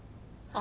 あ。